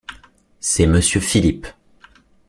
C’est monsieur Philippe.